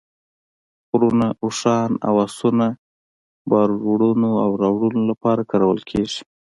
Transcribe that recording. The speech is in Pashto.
خرونه ، اوښان او اسونه بارونو وړلو او راوړلو دپاره کارول کیږي